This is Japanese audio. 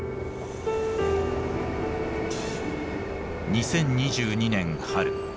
２０２２年春